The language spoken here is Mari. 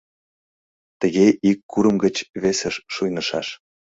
Тыге ик курым гыч весыш шуйнышаш.